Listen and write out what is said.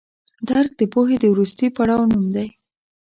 درک د پوهې د وروستي پړاو نوم دی.